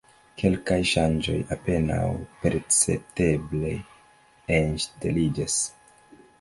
Kelkaj ŝanĝoj apenaŭ percepteble enŝteliĝas.